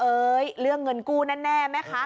เรื่องเงินกู้แน่ไหมคะ